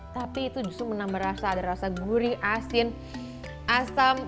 tapi itu justru menambah rasa ada rasa gurih asin asam